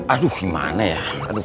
aduh gimana ya